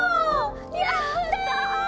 やった！